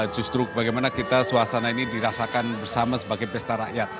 justru bagaimana kita suasana ini dirasakan bersama sebagai pesta rakyat